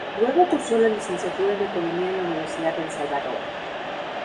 Luego cursó la Licenciatura en Economía en la Universidad del Salvador.